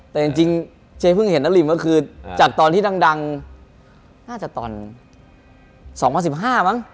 แต่จริงเจ๊เพิ่งเห็นนาริมก็คือจากตอนที่ดังน่าจะตอน๒๐๑๕มั้ง